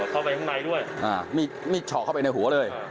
เข้าไปข้างในด้วยมีดเฉาะเข้าไปในหัวเลย